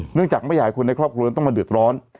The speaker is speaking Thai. เนื่องจากไม่อยากให้คนในครอบครัวต้องมาเดือดร้อน